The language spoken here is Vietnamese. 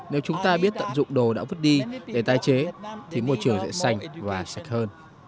nếu chúng ta biết tận dụng đồ đã vứt đi để tái chế thì môi trường sẽ xanh và sạch hơn